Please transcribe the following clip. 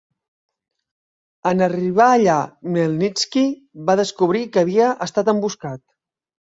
En arribar allà Khmelnitski va descobrir que havia estat emboscat.